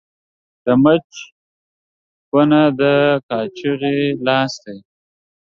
د مچ کونه ، د کاچوغي لاستى.